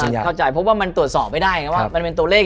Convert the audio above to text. อเจมส์เออเข้าใจเพราะว่ามันตรวจสอบไม่ได้มันเป็นตัวเลข